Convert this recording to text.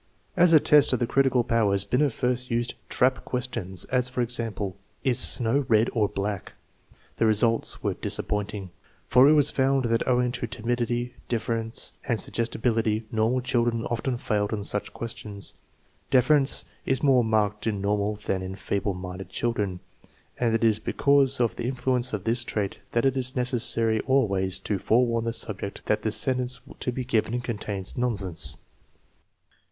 As a test of the critical powers Binet first used " trap questions "; as, for example, " Is snow red or black? " TEST NO. X, 2 059 The results were disappointing, for it was found that owing to timidity, deference, and suggestibility normal children often failed on such questions. Deference is more marked in normal than in feeble minded children, and it is because of the influence of this trait that it is necessary always to forewarn the subject that the sentence to be given contains nonsense.